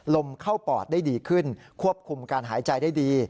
ลมเข้าปอดได้ดีขึ้นควบคุมการหายใจได้ดี